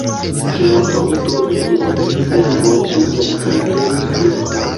Tiam oni turnis la glavon supren kaj tiris plu.